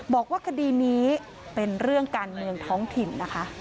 บอกว่าคดีนี้เป็นเรื่องการเมืองท้องถิ่นนะคะ